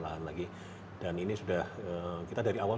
lahan lagi dan ini sudah kita dari awal